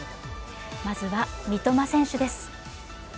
まずは、三笘選手です。